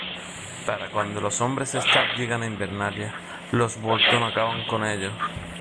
Para cuando los hombres Stark llegan a Invernalia, los Bolton acaban con ellos.